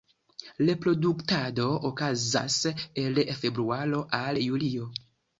Reproduktado okazas el februaro al julio.